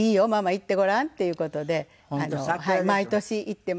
行ってごらん」っていう事で毎年行ってます。